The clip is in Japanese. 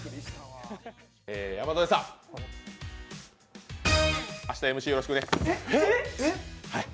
山添さん、明日ＭＣよろしくね。